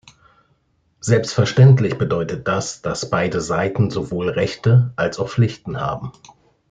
Selbstverständlich bedeutet das, dass beide Seiten sowohl Rechte als auch Pflichten haben.